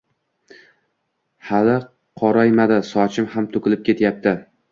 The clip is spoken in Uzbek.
hali qoraymadi, sochim ham to’kilib ketyapti